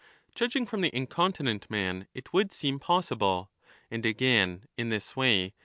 Judging from the incontinent man it would seem possible. And, again, in this way.